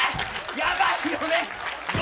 やばいよね。